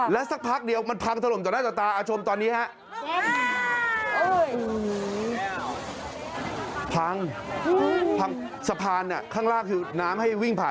แล้วสักพักเดียวมันพังถล่มต่อหน้าต่อตาชมตอนนี้ฮะ